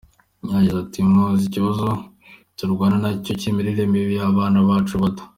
Yagize ati “Muzi ikibazo turwana na cyo cy’imirire mibi y’abana bacu bato.